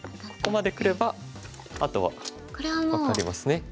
ここまでくればあとは分かりますね。